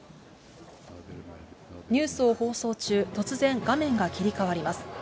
ニュースを放送中、突然、画面が切り替わります。